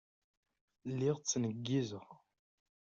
Lliɣ ttneggizeɣ.